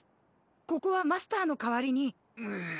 ここはマスターのかわりに。